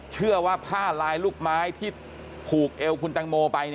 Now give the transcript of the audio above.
ผ้าลายลูกไม้ที่ผูกเอวคุณตังโมไป